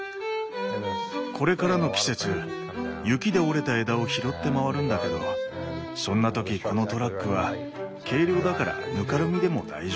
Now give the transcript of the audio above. これからの季節雪で折れた枝を拾って回るんだけどそんな時このトラックは軽量だからぬかるみでも大丈夫。